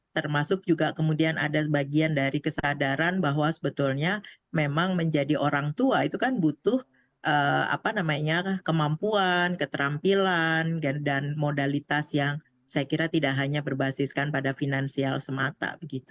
termasuk juga kemudian ada sebagian dari kesadaran bahwa sebetulnya memang menjadi orang tua itu kan butuh kemampuan keterampilan dan modalitas yang saya kira tidak hanya berbasiskan pada finansial semata